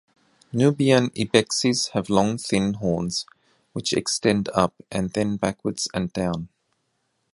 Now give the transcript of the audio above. Nubian ibexes have long thin horns which extend up and then backwards and down.